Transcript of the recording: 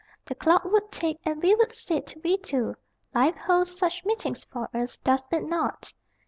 The clock would tick, and we would sit, we two Life holds such meetings for us, does it not?